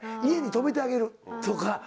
家に泊めてあげるとか。